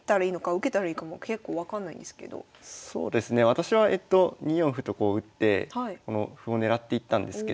私は２四歩とこう打ってこの歩を狙っていったんですけど。